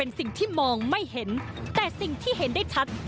สิ่งที่มองไม่เห็นแต่สิ่งที่เห็นได้ชัด